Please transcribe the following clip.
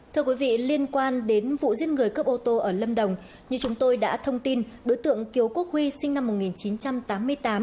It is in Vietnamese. thưa quý vị liên quan đến vụ giết người cướp ô tô ở lâm đồng như chúng tôi đã thông tin đối tượng kiều quốc huy sinh năm một nghìn chín trăm tám mươi tám